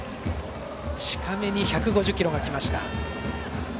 近めに１５０キロがきました。